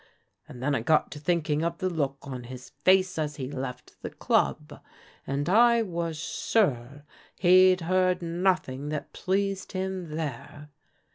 And then I got to thinking of the look on his face as he left the club, and I was sure he'd heard nothing that pleased him there.